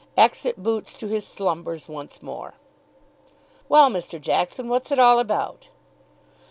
Exit boots to his slumbers once more. "Well, Mr. Jackson, what's it all about?"